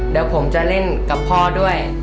เดี๋ยวผมจะเล่นกับพ่อด้วย